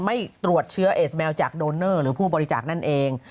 ไม่ตรวจเชื้อเอสแมวจากโดนเนอร์หรือผู้บริจาคนั่นเอง